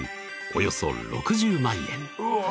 およそ６０万円